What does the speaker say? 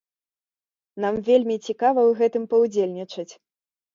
Нам вельмі цікава ў гэтым паўдзельнічаць.